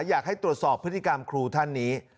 อยากให้ตรวจสอบพฤติกรรมครูท่านนี้